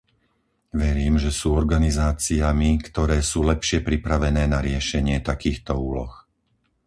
Verím, že sú organizáciami, ktoré sú lepšie pripravené na riešenie takýchto úloh.